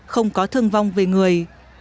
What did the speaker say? không có thương vong về người